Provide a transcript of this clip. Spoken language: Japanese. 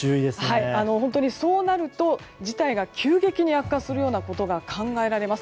本当にそうなると事態が急激に悪化するようなことが考えられます。